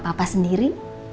bersama papa sendiri